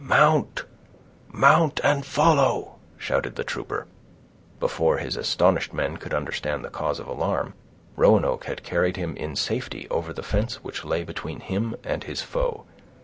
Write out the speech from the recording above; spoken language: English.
"Mount—mount, and follow!" shouted the trooper; and before his astonished men could understand the cause of alarm, Roanoke had carried him in safety over the fence which lay between him and his foe.